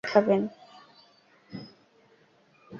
কি অজুহাত দেখাবেন?